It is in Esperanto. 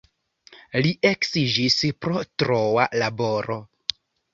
Li eksiĝis pro troa laboro.